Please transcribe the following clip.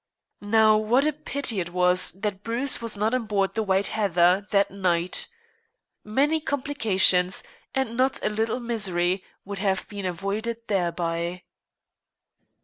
Now, what a pity it was that Bruce was not on board the White Heather that night. Many complications, and not a little misery, would have been avoided thereby.